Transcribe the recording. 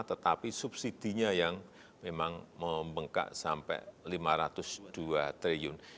tetapi subsidinya yang memang membengkak sampai lima ratus dua triliun